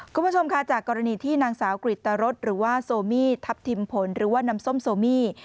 คุณผู้ชมค่ะจากกรณีที่นางสาวกริตรสหรือว่าโซมี่ทัพทิมผลหรือว่าน้ำส้มโซมี่